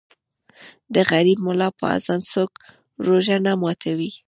ـ د غریب ملا په اذان څوک روژه نه ماتوي.